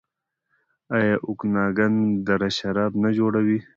آیا اوکاناګن دره شراب نه جوړوي؟